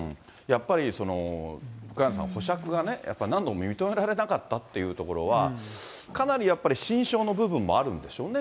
やっぱり、萱野さん、保釈がね、やっぱり何度も認められなかったというところは、かなりやっぱり心証の部分もあるんでしょうね。